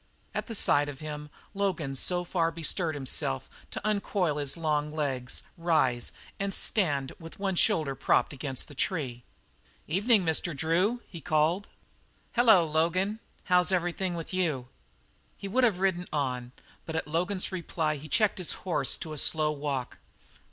At sight of him Logan so far bestirred himself as to uncoil his long legs, rise, and stand with one shoulder propped against the tree. "Evening, Mr. Drew," he called. "Hello, Logan. How's everything with you?" He would have ridden on, but at Logan's reply he checked his horse to a slow walk.